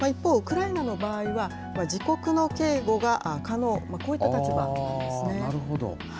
一方、ウクライナの場合は、自国の警護が可能、こういった立場ななるほど。